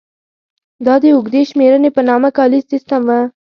دا د اوږدې شمېرنې په نامه کالیز سیستم و.